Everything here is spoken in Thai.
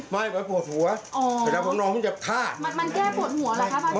มันแก้ปวดหัวเหรอครับภารการณ์